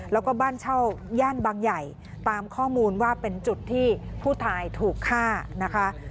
แล้วก็บ้านเช่าย่านบางใหญ่ตามข้อมูลว่าเป็นจุดที่ผู้ตายถูกฆ่านะคะ